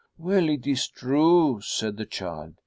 ' Well, it's true,' said the child.